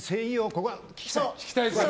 ここが聴きたい。